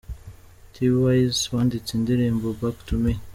T-Wise wanditse indirimbo 'Back to me'.